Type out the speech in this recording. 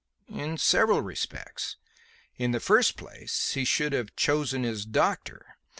"In several respects. In the first place, he should have chosen his doctor.